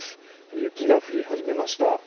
雪が降り始めました。